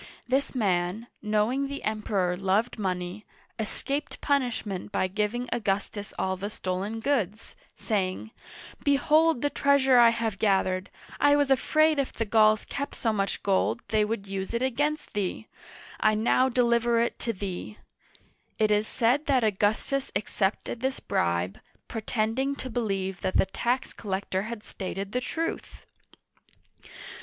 This man, knowing the Em peror loved money, escaped punishment by giving Augus tus all the stolen goods, saying :" Behold the treasure I Digitized by Google ROMANS AND GAULS 35 have gathered ; I was afraid if the Gauls kept so much gold they would use it against thee ; I now deliver it to thee/* It is' said that Augustus accepted this bribe, pretending to believe that the tax collector had stated the truth